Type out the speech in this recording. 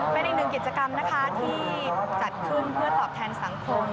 เป็นอีกหนึ่งกิจกรรมนะคะที่จัดขึ้นเพื่อตอบแทนสังคม